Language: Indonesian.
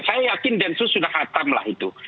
saya yakin densus sudah hatam lah itu